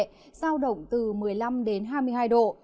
giao động từ một mươi năm đến hai mươi hai độ